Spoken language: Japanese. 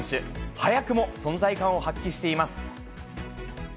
早くも存在感を発揮しています。